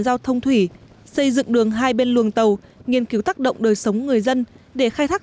giao thông thủy xây dựng đường hai bên luồng tàu nghiên cứu tác động đời sống người dân để khai thác